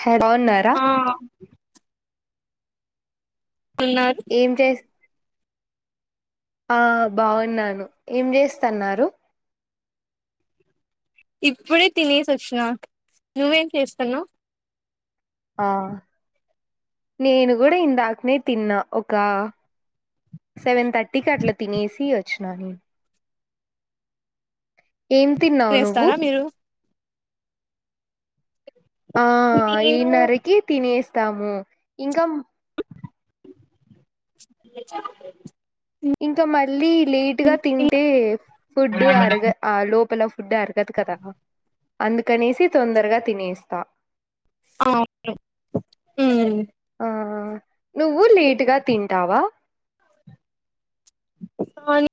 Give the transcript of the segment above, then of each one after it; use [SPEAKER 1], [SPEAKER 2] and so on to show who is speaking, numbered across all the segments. [SPEAKER 1] హే బావున్నారా
[SPEAKER 2] ఆ ఉన్నారు
[SPEAKER 1] ఏం చేసుతూ ఆ బాగున్నాను ఏం చేస్తున్నారు
[SPEAKER 2] ఇప్పుడే తినే స వచ్చిన నువ్వేం చేస్తున్నావ్
[SPEAKER 1] ఆ నేను కూడా ఇందాకనే తిన్నా ఒక సెవెన్ థటీ కట్ల తినేసి పచ్చనా ఏం తిన్నావు నువ్వు
[SPEAKER 2] తినేస్తారా మీరు
[SPEAKER 1] ఆ
[SPEAKER 2] నేను
[SPEAKER 1] ఈన్నరకి తినేస్త ాము ఇంకా
[SPEAKER 2] [unintelligible]
[SPEAKER 1] ఇంకా మళ్ళీ లే్ట్ గా తింటే ఫుడ్ అరగ ఆ లోపల ఫుడ్ అరగదు కదా అందుకనేసి తొందరగా తినేస్తా
[SPEAKER 2] ఆ
[SPEAKER 1] ఆ నువ్వు లేట్గా తింటావా
[SPEAKER 2] సవాను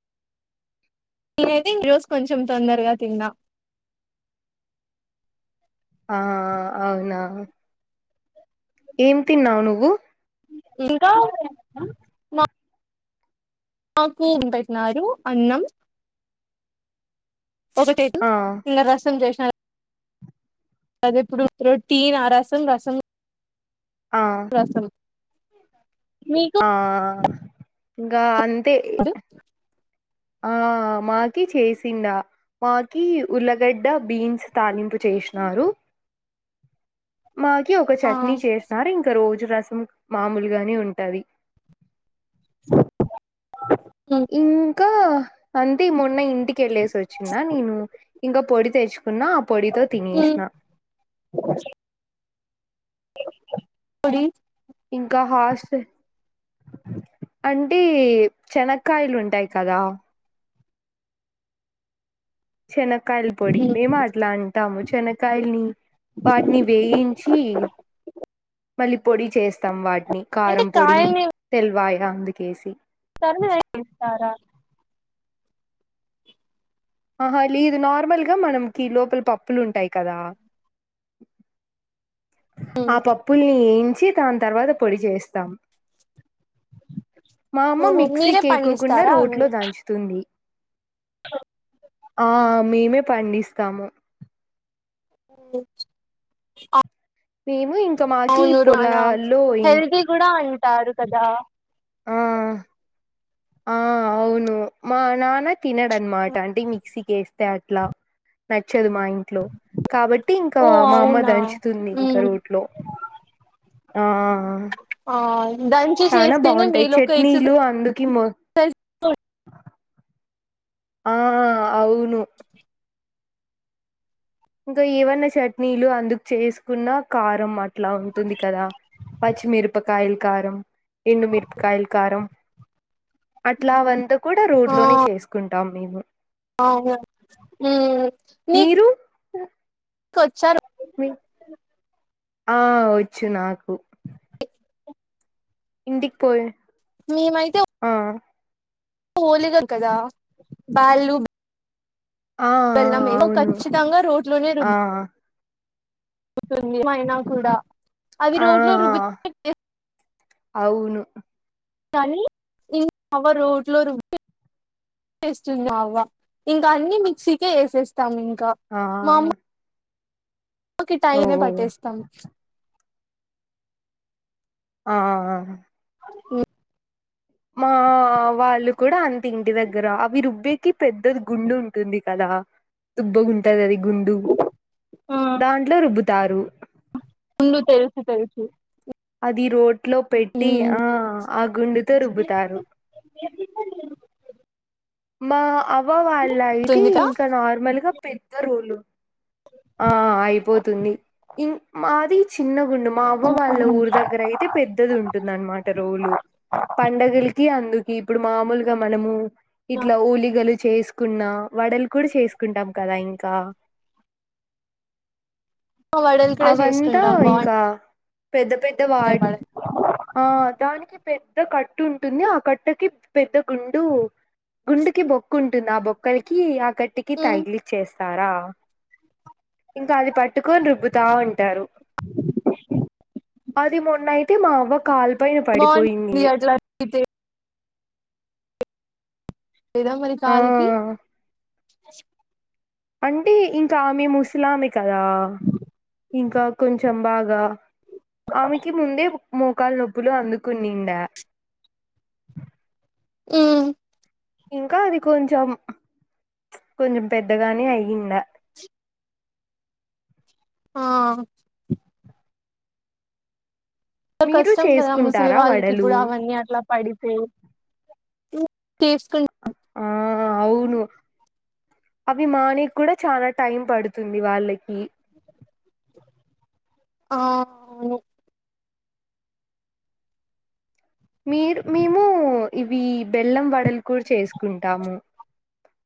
[SPEAKER 2] ననది ఈ రోజు కొంచెం తొందరగా తిన్నా
[SPEAKER 1] ఆ అవునా ఏం తిన్నావు నువ్వు
[SPEAKER 2] ఇంకా మ మాకు ఉ పెట్న్నారు అన్నం
[SPEAKER 1] ఆ
[SPEAKER 2] ఇంగ రసం చేస్ ఆ అదప్పుడు రొటన్ ఆ రసం రసం
[SPEAKER 1] ఆ
[SPEAKER 2] [inaudible]
[SPEAKER 1] ఆ ఇంకా అం
[SPEAKER 2] అద్
[SPEAKER 1] ఆ మాకి చేసింద మాకి ఉల్లగడ్డ బీన్స్ తాలింపు చేసినారు మాకి ఒక
[SPEAKER 2] ఆ
[SPEAKER 1] చట్నీ చేన్నారు ఇంకా రోజ్ జు రాసం మామూలుగానే ఉంటది
[SPEAKER 2] అ
[SPEAKER 1] ఇంకా అంతీ మొన్న ఇన్ టికేళ్ళేసి వచ్చిన నేను ఇంకా పొడి తెచ్ కున్నా ఆ ప్పోడితో
[SPEAKER 2] ఉమ్
[SPEAKER 1] తినేష్ిన
[SPEAKER 2] కుడిీ
[SPEAKER 1] ఇంకా హాస్ అంటే చెనకాయలు ఉంటాయి కదా శనక్కయల పొడి
[SPEAKER 2] ఉమ్
[SPEAKER 1] మేము అట్లా అంటాము చెన క్కయల్ని వాటిని వేయించి మళ్ళీ పొడి చేస్తాం వాట్ ట్నీ
[SPEAKER 2] అంటే
[SPEAKER 1] కారం పొడి తెల్వయ అందుకేసి
[SPEAKER 2] [unintelligible] చేస్తారా
[SPEAKER 1] ఆహా లేదు నార్మల్గా మనకి లోపల పప్పులు ఉంటాయి కదా ఆ పప్పుల్ని ఏం చి దాని తర్వాత పొడి చేస్తాం మా అమ్మ మిక్సీ
[SPEAKER 2] మీరే
[SPEAKER 1] కేకోకుండా
[SPEAKER 2] పండిస్తారా
[SPEAKER 1] రోట్లో
[SPEAKER 2] అవి
[SPEAKER 1] దాంచుతుంది
[SPEAKER 2] [unintelligible]
[SPEAKER 1] ఆ మేమే పండిస్తాము
[SPEAKER 2] హు ఆ
[SPEAKER 1] మేము ఇం మాకి
[SPEAKER 2] అవునురు అనా
[SPEAKER 1] పొలాల్లో
[SPEAKER 2] హల్ది కూడా అన్ తారు కదా
[SPEAKER 1] ఆ ఆ అవును మా నాన్న తినడన్నమాట అంటే మిక్సీకేస్తే అట్లా న నచ్చదు మా ఇంట్లో కాబట్టి ఇంకా
[SPEAKER 2] ఓ
[SPEAKER 1] మా అమ్మ
[SPEAKER 2] అవునా
[SPEAKER 1] దంచుతుంది ఇంకా
[SPEAKER 2] ఉమ్
[SPEAKER 1] రోట్లో ఆ
[SPEAKER 2] ఆ దంచి
[SPEAKER 1] చాలా
[SPEAKER 2] చేస్తేనే
[SPEAKER 1] బాగుంటు
[SPEAKER 2] మీలో ఒక
[SPEAKER 1] చెట్నీలు
[SPEAKER 2] ఎక్సర్సైజ్
[SPEAKER 1] అందు కిమో ఆ అవును ఇంకా ఏవన్నా చట్నీలు అందుకు చేసుకున్న కారం అట్లా ఉంటుంది కదా పచ్చిమిరపకాయల కారం ఎండు మిరపకాయల కారం అట్లా వంత కూడా రోడ్
[SPEAKER 2] ఆ
[SPEAKER 1] లోనే చేసుకుంటా టాం మేము
[SPEAKER 2] అవును హ్మ్ మీ
[SPEAKER 1] మీరు
[SPEAKER 2] కొచ్చార
[SPEAKER 1] మీ ఆ వచ్చు నాకు
[SPEAKER 2] [unintelligible]
[SPEAKER 1] ఇంటికి పోయే
[SPEAKER 2] మేమైతే హోలిగా కదా బాళ్ళు
[SPEAKER 1] ఆ ఆ
[SPEAKER 2] వెళ్దాం
[SPEAKER 1] అవును
[SPEAKER 2] ఖచ్చితంగా రోట్ లోనే
[SPEAKER 1] ఆ
[SPEAKER 2] రుబు తుంది మైనా కూడా అవి
[SPEAKER 1] ఆ
[SPEAKER 2] రోట్లో
[SPEAKER 1] ఆ
[SPEAKER 2] రుబతే టే
[SPEAKER 1] అవును
[SPEAKER 2] కానీ ఇం అవ్వ రోట్లో రుబి వేస్తుంది అవ్వ ఇంకా అన్ని మిక్సీకే యేసేస్త ఇస్తాం ఇంకా
[SPEAKER 1] ఆ
[SPEAKER 2] మా అమ్మ
[SPEAKER 1] ఓ
[SPEAKER 2] టైమే పట్టేస్తాం
[SPEAKER 1] ఆ
[SPEAKER 2] ఉ
[SPEAKER 1] మా వాళ్ళు కూడా అంత ఇంటి దగ్గర అవి రుబ్బేకి పెద్దది గుండు ఉంటుంది కదా దుబ్బగుంటదది గుండు
[SPEAKER 2] ఆ
[SPEAKER 1] దాంట్లో రుబ్బు తారు
[SPEAKER 2] తెలుసు తెలుసు
[SPEAKER 1] అది రోట్ లో పెట్టి ఆ ఆ గుండుతో రుబ్బుతారు
[SPEAKER 2] [inaudible]
[SPEAKER 1] మా అ అవ్వ వాళ్ళ ఇది
[SPEAKER 2] తుందికా
[SPEAKER 1] ఇంకా నార్మల్ గా పెద్ద రోలు ఆ అయిపోతుంది ఇం మాది చిన్నగుండు మా అవ్వ వాళ్ళ ఊరు దగ్గర అయితే పెద్దది ఉంటుందన్నమాట రోలు పండగలకి అందుకే ఇప్పుడు మామూలుగా మనము ఇట్లా ఓలి గలు చేసుకున్నా వడలు కూడా చేసుకుంటాం కదా ఇంకా
[SPEAKER 2] వడలు కూడా
[SPEAKER 1] అవంతా
[SPEAKER 2] చేసుకుంటాం బాగుం
[SPEAKER 1] ఇంకా పెద్ద పెద్ద వాట్ ఆ దానికి పె ద్ద కట్టు ఉంటుంది ఆ కట్టటుకి పెద్ద గుండు గుండుకి బొక్కుం టుంది ఆ బొక్కలకి ఆ టికి తాగిలి చేస్ స్తారా ఇంకా అది పట్టుకొని రుబ్బతా ఉంటారు అది మొన్న అయితే మా అవ్వ కాల్
[SPEAKER 2] బాగుంటుంది అట్లాయితే లేదా మరి
[SPEAKER 1] ఆ
[SPEAKER 2] కాల్ కి అ
[SPEAKER 1] అంటే ఇంకా ఆమె ముసలమే కద ఇంకా కొంచెం బాగా ఆమెకి ముందే మోకాలు నొప్పులు అందుకునిండా
[SPEAKER 2] హ్మ్
[SPEAKER 1] ఇంకా అది కొంచం కొంచెం పెద్దగానే అయ్యిండ
[SPEAKER 2] ఆ
[SPEAKER 1] మీరు
[SPEAKER 2] కష్టం కదా ముసిలి
[SPEAKER 1] చేసుకుంటారా
[SPEAKER 2] వాళ్ళకి
[SPEAKER 1] వడలు
[SPEAKER 2] ఇప్పుడు అవన్నీ అట్లా పడితేే చేస్కుం. [unintelligible]
[SPEAKER 1] ఆ అవును అవి మానేకి కూడా చానా టైం పడుతుంది వాళ్ళకి
[SPEAKER 2] ఆ అవును
[SPEAKER 1] మీరు మేము ఇవి బెల్లం వడలు కూడా చేసుకుంటాము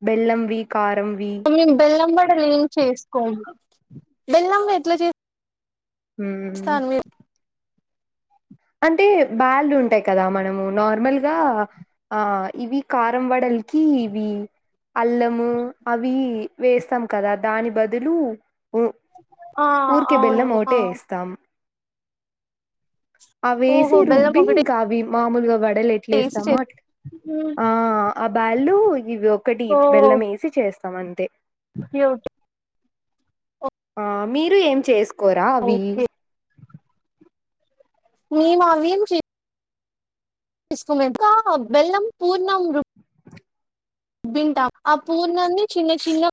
[SPEAKER 1] బెల్లంవి కారంవి
[SPEAKER 2] మేము బెల్లం వడలు ఏం చేసుకోము బెల్లంవి ఎట్లా చే
[SPEAKER 1] మ్మ్
[SPEAKER 2] స్తారు మీరు
[SPEAKER 1] అంటే బ్యాళ్లు ఉంటాయి కదా మనము నార్మల్గా ఆ ఇవి కారం వడలకి ఇవి అల్లము అవి వేస్తాం కదా దాని బదులు ఉ
[SPEAKER 2] ఆ
[SPEAKER 1] ఊర్కె బెల్లం
[SPEAKER 2] అవును ఆ
[SPEAKER 1] ఒకటే వేస్తాం అవేసి
[SPEAKER 2] ఓహో బెల్లం
[SPEAKER 1] రుబ్బి
[SPEAKER 2] ఒకటే
[SPEAKER 1] ఇంకా అవి మామూలుగా వడలు
[SPEAKER 2] వేసి
[SPEAKER 1] ఎట్లేస్తామో
[SPEAKER 2] చే
[SPEAKER 1] అట్లా ఆ ఆ బ్యాళ్లు ఇదొ. ఒకటి
[SPEAKER 2] ఓ
[SPEAKER 1] బెల్లమేసి చేస్. సమంతె
[SPEAKER 2] [unintelligible]
[SPEAKER 1] ఆ మీరు ఏం చేస్. కోరా అవి.
[SPEAKER 2] ఓకే మేమవేం చె [unintelligible] కా బెల్లం పూర్ణం రుబ్బింటాం ఆ పూర్ణాన్ని చిన్న చిన్న.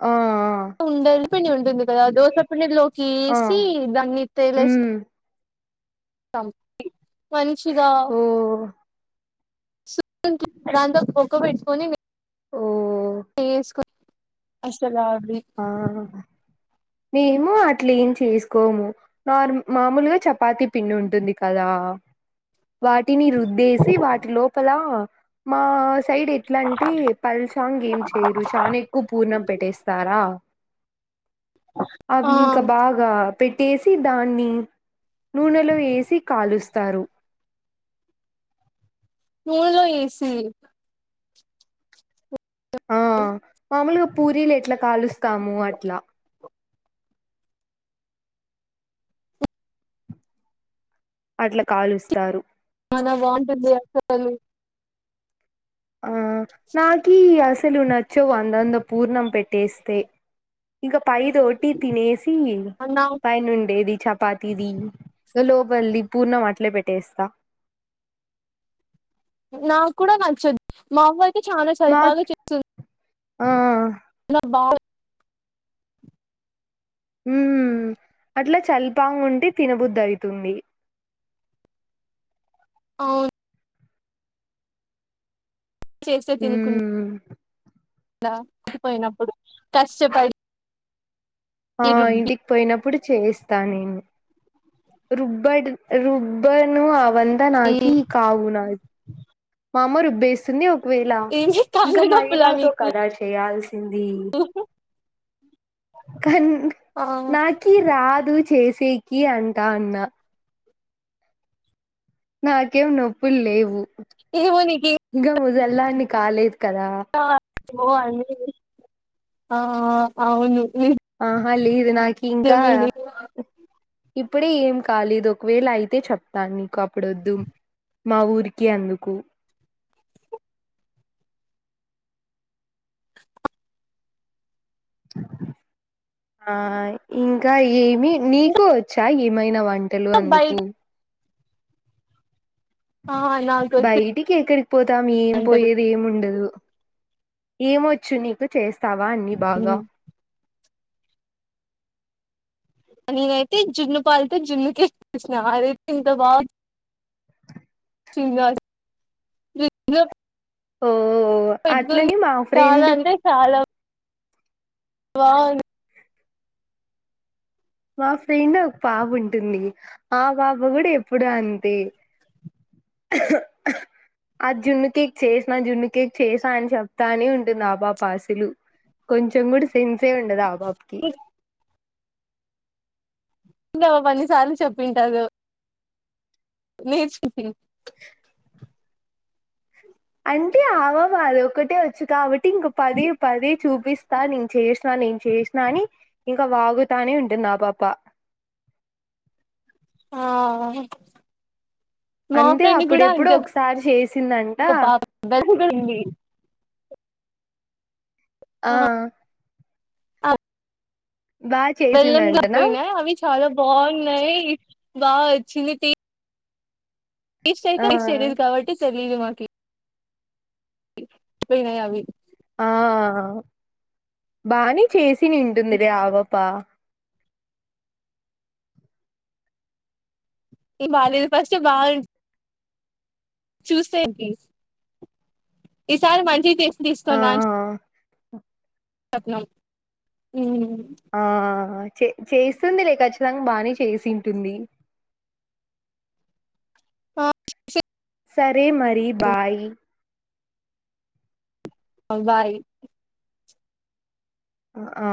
[SPEAKER 1] ఆ అ.
[SPEAKER 2] ఉండలు పిండి ఉంటుంది కద దోశ పిండిద్లొ
[SPEAKER 1] ఆ
[SPEAKER 2] కేసి దాన్ని తేలేస్
[SPEAKER 1] ఉమ్
[SPEAKER 2] టం టి. మంచిగా
[SPEAKER 1] ఓ
[SPEAKER 2] [unintelligible] దాంతో బొక్క పెట్కోని.
[SPEAKER 1] ఓ
[SPEAKER 2] ఏస్కొ అసలాగ్
[SPEAKER 1] ఆ మేము అట్లేం చేస్కోము నార్ మామూల్గా చపాతి పిండింటుంది కదా వాటిని రుద్దేసి వాటి లోపల మా. సైడెట్లంటె పల్చాంగేం చెయ్రు చాన ఎక్కువ పూర్ణం పెట్టేస్. రా
[SPEAKER 2] ఆ
[SPEAKER 1] అవి ఇంక బాగా. పెట్టేసి దాన్ని నూనెలొ యేసి కాలుస్తారు.
[SPEAKER 2] మూల్లో ఏసి
[SPEAKER 1] ఆ మామూల్గ పూరీలెట్ల కాలుస్తాము అట్ల. అట్ల కాలుస్తారు.
[SPEAKER 2] చానా బాంటుంది. [unintelligible]
[SPEAKER 1] ఆ నాకి అసలు నచ్చవు అందంద పూర్ణం పెట్టేస్తే ఇంక. పై దోటి తినేసి
[SPEAKER 2] నా
[SPEAKER 1] పైనుండేది చప్. పాతీది గ లోపల్ది పూర్ణం అట్లె పెట్టేస్త.
[SPEAKER 2] నాక్కూడ నచ్చద్ మావ్వై యి చానా చల్పాగా
[SPEAKER 1] మాక్
[SPEAKER 2] చే. [unintelligible]
[SPEAKER 1] ఆ
[SPEAKER 2] ఉ [unintelligible] బా
[SPEAKER 1] ఉమ్ అట్ల చల్పాంగుంటె తినబుద్దైతుంది.
[SPEAKER 2] ఔన్ చేచ్చె తిన్కున్
[SPEAKER 1] మ్మ్
[SPEAKER 2] ధా [unintelligible] పోయినప్పుడు. కష్టపడి.
[SPEAKER 1] ఆ
[SPEAKER 2] రుబ్బి
[SPEAKER 1] ఇంటికి పోయినప్పుడు. చేస్తా నేను, రుబ్బడర్ రుబ్బను అవ. వందనాకీ కావునా. మామ్మా, రుబ్బేస్తుంది ఒక. ఒకవేళ,
[SPEAKER 2] ఏమి
[SPEAKER 1] ఇంకా
[SPEAKER 2] కాళ్ళ
[SPEAKER 1] మైదా
[SPEAKER 2] నొప్పులని
[SPEAKER 1] తో కదా చేయాల్సి. హిందీ. కన్,
[SPEAKER 2] ఆ
[SPEAKER 1] నాకి రాదు. చేసేకి, అంటా అన్న. నాకేం నోపుల లేవు.
[SPEAKER 2] ఏమౌనికి.
[SPEAKER 1] వెళ్లనికి కాలేదు. కదా.
[SPEAKER 2] ఒ అ ఇ ఈ ఆ అవును.
[SPEAKER 1] ఆహా, లేదు నాక. ఇంకా. ఇప్పుడే ఏం కాలేదు, ఒకవేళ అయితే చెప్తాను నీకు. అప్పుడు వోద్దు మా ఊరికి అందుకు. ఆ ఇంకా, ఏమి. నీకు వచ్చా ఏమైనా వంట?
[SPEAKER 2] బయట
[SPEAKER 1] తెల్వెందుకు.
[SPEAKER 2] ఆ నాకొచ్చు.
[SPEAKER 1] పోతాము మేమ్, పోయేది ఏమి ఉండదు. ఏమొచ్చు నీకు చేస్. తవా ఆన్ని బాగా?
[SPEAKER 2] నేనైతే జున్ను పాలతో జున్ను చే [unintelligible] సినా. అదైతే ఎంత బా [unintelligible] గుంధో. చింగర్చాప్ [unintelligible] [unintelligible]
[SPEAKER 1] ఓ
[SPEAKER 2] పైకి [unintelligible] పోయింది.
[SPEAKER 1] అట్లని మా
[SPEAKER 2] చాలా
[SPEAKER 1] ఫ్రెండ్
[SPEAKER 2] అంటే చాలా. బాఉంది.
[SPEAKER 1] మా ఫ్రెండ్ ఒక పాప ఉంటుంది, ఆ బాబా కూడా ఎప్పుడు అంతే! ఆ జున్ను కేక్ జేస్నా? జున్ను కేక్ చేసా అని చెప్తానే ఉంటుంది, ఆ పాప. అసలు కొంచెం కూడా సెన్సే ఉండదు? ఆ. బాబ్ కి.
[SPEAKER 2] ఇంక బా బా, ఎన్ని సార్లు చెప్పింటారో? నేర్చుకుంటున్నా [unintelligible]
[SPEAKER 1] [inaudible] అంటే, ఆవబాల ఒకటే వచ్చు కాబట్ట. ఇంక పది, పది చూపిస్తా. నేను చేస. స్నా నేను చేసినా అని ఇంకా వాగుతానే ఉంటుంది ఆ పాప
[SPEAKER 2] ఆ మా
[SPEAKER 1] అంతే
[SPEAKER 2] ఫ్రెండ్ కూడా
[SPEAKER 1] అప్పుడెప్పుడు
[SPEAKER 2] అంతె
[SPEAKER 1] ఒకసారి చేసిందంట
[SPEAKER 2] పాప [unintelligible]
[SPEAKER 1] ఆ
[SPEAKER 2] ఆ
[SPEAKER 1] బాగా
[SPEAKER 2] బెల్లం
[SPEAKER 1] చేసిందంటనా
[SPEAKER 2] గప్పయినా అవి చాలా బాగునై బాగావచ్చింది టి టెస్ట్ అయితే
[SPEAKER 1] ఆ
[SPEAKER 2] టెస్ట్ చేయలేదు కాబట్టి తెలియదు మాకి పోయినాయి అవి
[SPEAKER 1] ఆ బాని చేసి నుంటుంది లే ఆపాప
[SPEAKER 2] ఈ బాలలు ఫస్ట్ బాగుం చూస్తే కి ఈసారి మంచిగ చేసి తీసుకొని రా అని చెప్
[SPEAKER 1] ఆ
[SPEAKER 2] చెప్నం హు
[SPEAKER 1] ఆ చే చేస్తుంది లే ఖచ్చితంగా బానే చేసింటుంది
[SPEAKER 2] ఆ
[SPEAKER 1] సరే మరి బాయ్
[SPEAKER 2] బాయ్
[SPEAKER 1] ఆ